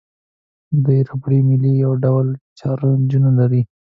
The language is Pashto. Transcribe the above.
دوه ربړي میلې یو ډول چارجونه لري.